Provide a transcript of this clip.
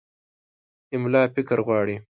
املا فکر غواړي.